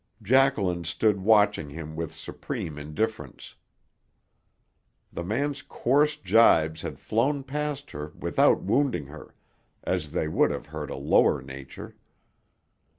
Jacqueline stood watching him with supreme indifference. The man's coarse gibes had flown past her without wounding her, as they would have hurt a lower nature.